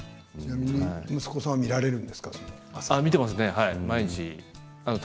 息子さんは朝ドラ見られるんですか？